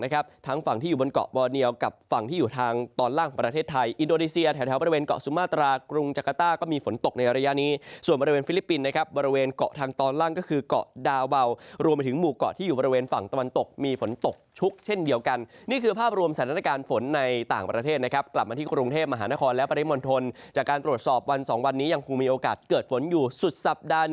กับฝั่งที่อยู่ทางตอนล่างประเทศไทยอินโดรีเซียแถวแถวบริเวณเกาะซุมาตรากรุงจักราต้าก็มีฝนตกในอรัยะนี้ส่วนบริเวณฟิลิปปินส์นะครับบริเวณเกาะทางตอนล่างก็คือเกาะดาวเบารวมไปถึงหมู่เกาะที่อยู่บริเวณฝั่งตะวันตกมีฝนตกชุกเช่นเดียวกันนี่คือภาพรวมสถานการณ์ฝน